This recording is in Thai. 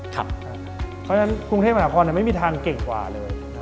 เพราะฉะนั้นกรุงเทพมหานครไม่มีทางเก่งกว่าเลย